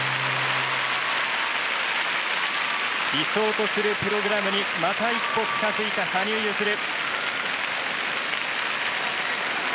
理想とするプログラムにまた一歩近づいた羽生結弦。